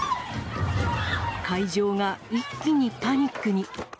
会場が一気にパニックに。